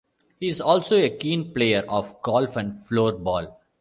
He is also a keen player of golf and floorball.